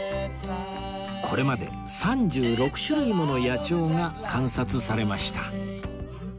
これまで３６種類もの野鳥が観察されました